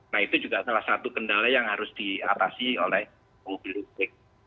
nah itu juga salah satu kendala yang harus diatasi oleh mobil listrik